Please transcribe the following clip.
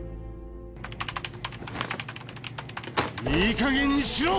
いいかげんにしろ！